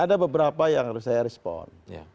ada beberapa yang harus saya respon